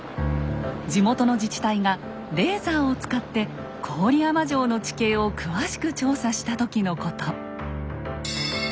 地元の自治体がレーザーを使って郡山城の地形を詳しく調査した時のこと。